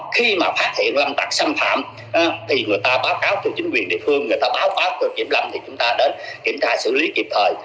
khi mà phát hiện lâm tặc xâm phạm thì người ta báo cáo cho chính quyền địa phương người ta báo cáo cục kiểm lâm thì chúng ta đến kiểm tra xử lý kịp thời